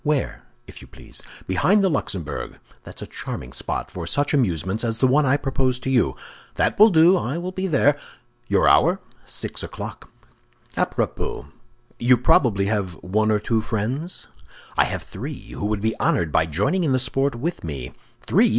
"Where, if you please?" "Behind the Luxembourg; that's a charming spot for such amusements as the one I propose to you." "That will do; I will be there." "Your hour?" "Six o'clock." "A propos, you have probably one or two friends?" "I have three, who would be honored by joining in the sport with me." "Three?